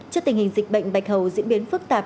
trước tình hình dịch bệnh bạch hầu diễn biến phức tạp